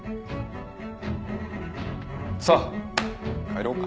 さっ帰ろうか。